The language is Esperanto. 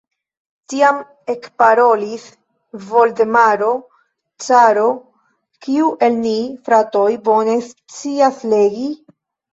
Tiam ekparolis Voldemaro caro: "Kiu el ni, fratoj, bone scias legi?"